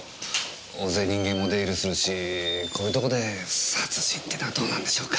大勢人間も出入りするしこういうとこで殺人ていうのはどうなんでしょうか？